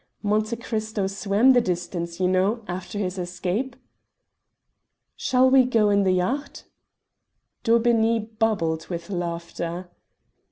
Monte Cristo swam the distance, you know, after his escape." "Shall we go in the yacht?" Daubeney bubbled with laughter.